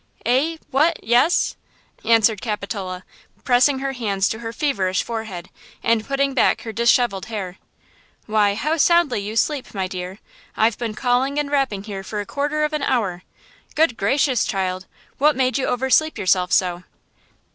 "Eh? What? Yes!" answered Capitola, pressing her hands to her feverish forehead, and putting back her dishevelled hair. "Why, how soundly you sleep, my dear! I've been calling and rapping here for a quarter of an hour! Good gracious, child what made you oversleep yourself so?"